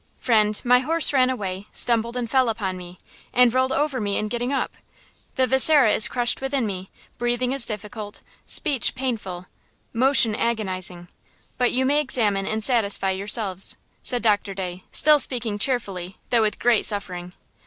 "Friend, my horse ran away, stumbled and fell upon me, and rolled over me in getting up. The viscera is crushed within me; breathing is difficult; speech painful; motion agonizing; but you may examine and satisfy yourselves," said Doctor Day, still speaking cheerfully, though with great suffering.